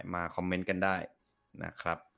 มาคอมเมนต์กันได้นะครับ